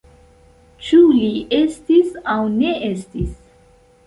Ĉu li estis aŭ ne estis?